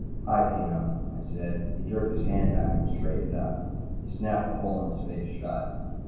"Hi, Peno," I said. He jerked his hand back and straightened up. He snapped the hole in his face shut.